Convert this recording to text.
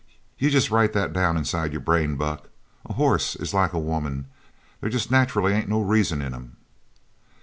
You jest write this down inside your brain, Buck: a hoss is like a woman. They jest nacherally ain't no reason in 'em!"